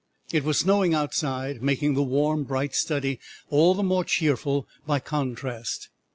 It was snowing outside, making the warm, bright study all the more cheerful by contrast.